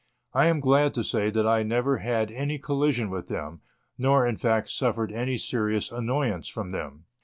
I am glad to say that I never had any collision with them, nor in fact suffered any serious annoyance from them.